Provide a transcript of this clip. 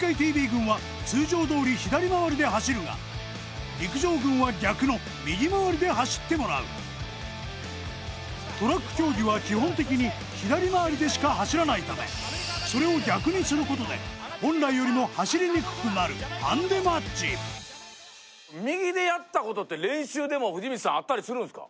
ＴＶ軍は通常どおり左回りで走るが陸上軍は逆の右回りで走ってもらうトラック競技は基本的に左回りでしか走らないためそれを逆にすることで本来よりも走りにくくなるハンデマッチ右でやったことって練習でも藤光さんあったりするんですか？